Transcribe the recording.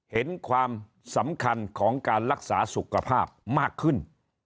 เห็นความสำคัญของการรักษาสุขภาพมากขึ้น